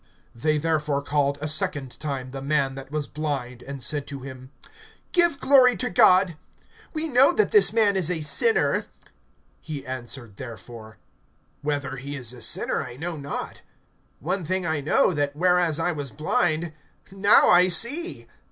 (24)They therefore called a second time the man that was blind, and said to him: Give glory to God; we know that this man is a sinner. (25)He answered therefore: Whether he is a sinner, I know not; one thing I know, that, whereas I was blind, now I see.